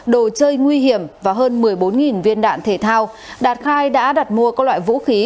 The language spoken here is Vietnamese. đồ chơi nguy hiểm và hơn một mươi bốn viên đạn thể thao đạt khai đã đặt mua các loại vũ khí